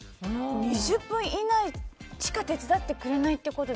２０分以内しか手伝ってくれないってこと？